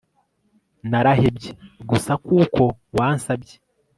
Narahevye gusa kuko wansabye